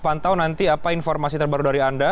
pantau nanti apa informasi terbaru dari anda